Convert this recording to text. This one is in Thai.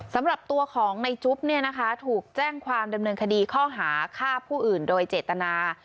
สำหรับตัวของในจุ๊บเนี่ยนะคะถูกแจ้งความดำเนินคดีข้อหาฆ่าผู้อื่นโดยเจตนา